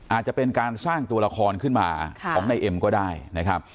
อาจจะเป็นการสร้างตัวละครขึ้นมาของนายเอ็มก็ได้นะครับ